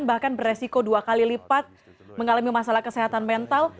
bahkan beresiko dua kali lipat mengalami masalah kesehatan mental